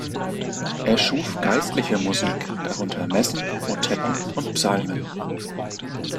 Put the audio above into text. Er schuf geistliche Musik, darunter Messen, Motetten und Psalmen.